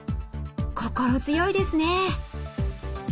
心強いですね！